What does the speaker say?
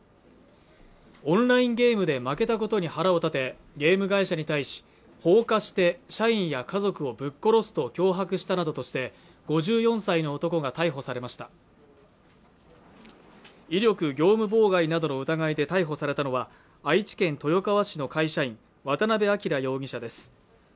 オンラインゲームで負けたことに腹を立てゲーム会社に対し放火して社員や家族をぶっ殺すと脅迫したなどとして５４歳の男が逮捕されました威力業務妨害などの疑いで逮捕されたのは愛知県豊川市の会社員渡辺明容疑者です